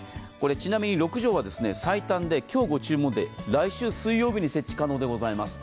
ちなみに６畳は最短で、今日ご注文で来週水曜日に設置可能でございます。